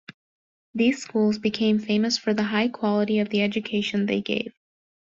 These schools became famous for the high quality of the education they gave.